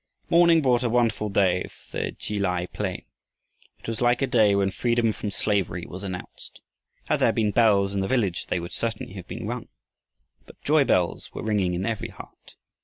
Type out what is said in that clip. Morning brought a wonderful day for the Ki lai plain. It was like a day when freedom from slavery was announced. Had there been bells in the village they would certainly have been rung. But joy bells were ringing in every heart.